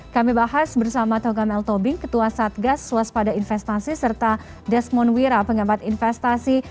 kami bahas bersama togam l tobing ketua satgas swaspada investasi serta desmond wira pengambat investasi